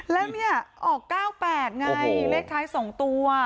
แล้วเนี่ยออก๙๘ไงเลขท้าย๒ตัว